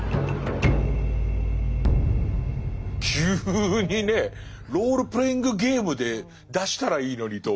急にねロールプレイングゲームで出したらいいのにと思うような。